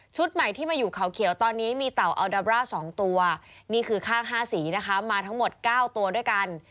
ใหม่ที่มาอยู่เขาเขียวตอนนี้มีเต่าอัลดร่า๒ตัวนี่คือข้าง๕สีนะคะมาทั้งหมด๙ตัวด้วยกัน